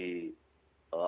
mulai main di